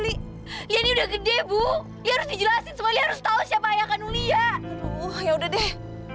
li ini udah gede bu harus dijelasin semua harus tahu siapa ayah kanun lia ya udah deh